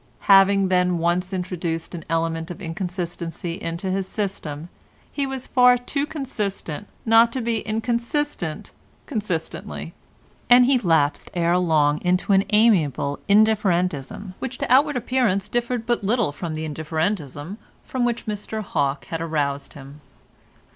Having, then, once introduced an element of inconsistency into his system, he was far too consistent not to be inconsistent consistently, and he lapsed ere long into an amiable indifferentism which to outward appearance differed but little from the indifferentism from which Mr Hawke had aroused him.